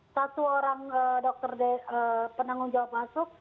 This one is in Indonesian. satu orang dokter penanggung jawab masuk